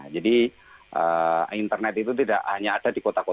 jadi internet itu tidak hanya ada di kota kota